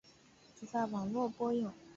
只在网络播映。